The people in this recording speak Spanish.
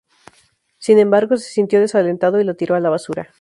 Sin embargo, se sintió desalentado y la tiró a la basura.